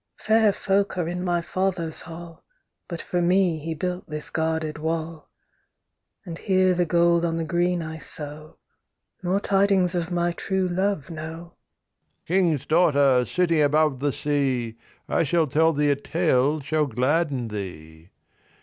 Fair folk are in my father's hall, But for me he built this guarded wall. And here the gold on the green I sew Nor tidings of my true love know. THE RAVEN King's daughter, sitting above the sea, I shall tell thee a tale shall gladden thee.